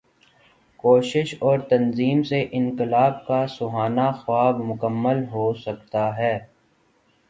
کوشش اور تنظیم سے انقلاب کا سہانا خواب مکمل ہو سکتا ہے۔